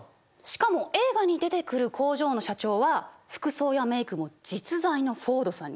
しかも映画に出てくる工場の社長は服装やメイクも実在のフォードさんにそっくり。